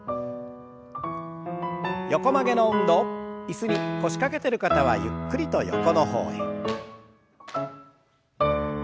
椅子に腰掛けてる方はゆっくりと横の方へ。